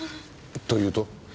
というと？